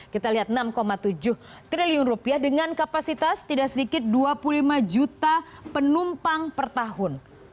kita lihat enam tujuh triliun rupiah dengan kapasitas tidak sedikit dua puluh lima juta penumpang per tahun